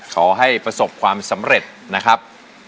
ขอให้ประสบความสำเร็จนะครับ